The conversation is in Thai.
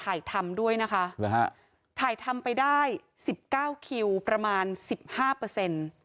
ถ่ายทำด้วยนะคะหรือฮะถ่ายทำไปได้สิบเก้าคิวประมาณสิบห้าเปอร์เซ็นต์